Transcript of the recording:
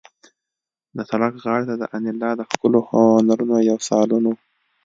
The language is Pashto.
د سړک غاړې ته د انیلا د ښکلو هنرونو یو سالون و